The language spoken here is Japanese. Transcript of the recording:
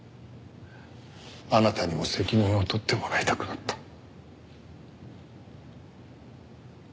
あなたにも責任を取ってもらいたくなった。